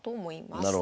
なるほど。